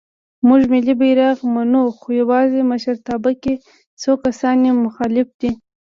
مونږ ملی بیرغ منو خو یواځې مشرتابه کې څو کسان یې مخالف دی.